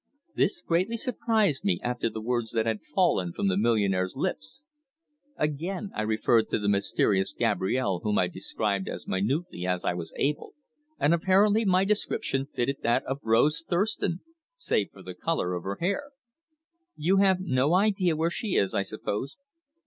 This greatly surprised me after the words that had fallen from the millionaire's lips. Again I referred to the mysterious Gabrielle whom I described as minutely as I was able, and apparently my description fitted that of Rose Thurston, save for the colour of her hair. "You have no idea where she is, I suppose?"